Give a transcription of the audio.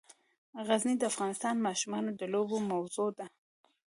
غزني د افغان ماشومانو د لوبو موضوع ده.